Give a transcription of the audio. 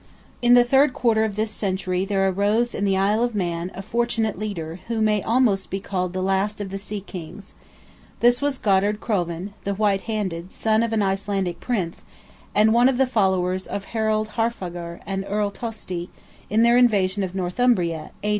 In the third quarter of this century there arose in the Isle of Man a fortunate leader, who may almost be called the last of the sea kings. This was Godard Crovan (the white handed), son of an Icelandic Prince, and one of the followers of Harald Harfagar and Earl Tosti, in their invasion of Northumbria (A.